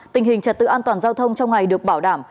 tình hình trật tự an toàn giao thông trong ngày được bảo đảm